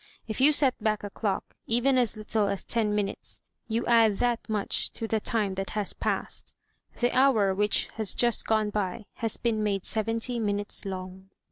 If you set back a clock, even as little as ten minutes, you add that much to the time that has passed. The hour which has just gone by has been made seventy minutes long.